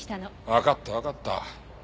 わかったわかった。